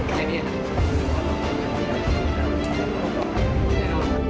ใช่เนี่ยค่ะ